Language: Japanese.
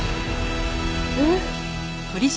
えっ？